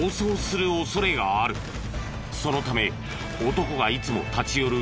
そのため男がいつも立ち寄る